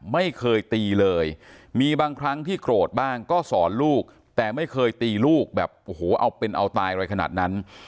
ไม่เคยตีเลยมีบางครั้งที่โกรธบ้างก็สอนลูกแต่ไม่เคยตีลูกแบบโอ้โหเอาเป็นเอาตายอะไรขนาดนั้น